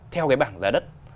theo cái bảng giá đất